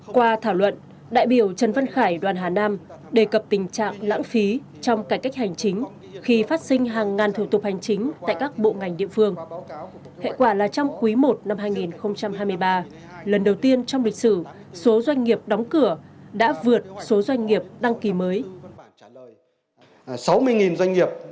qua thảo luận đại biểu trần văn khải đoàn hà nam đề cập tình trạng lãng phí trong cải cách hành chính